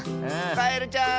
カエルちゃん